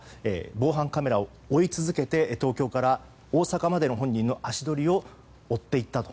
防犯カメラを追い続けて東京から大阪までの本人の足取りを追っていったと。